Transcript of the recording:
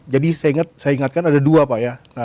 saya ingatkan ada dua pak ya